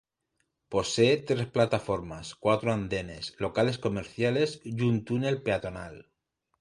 Posee tres plataformas, cuatro andenes, locales comerciales y un túnel peatonal.